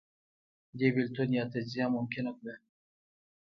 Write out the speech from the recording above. دې بېلتون یا تجزیه ممکنه کړه